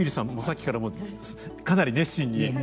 さっきからかなり熱心に。